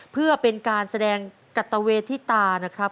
เพื่อเป็นการแสดงกัตเวทิตานะครับ